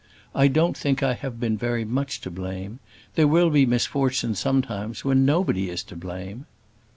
"I don't think I have been very much to blame. There will be misfortunes sometimes when nobody is to blame."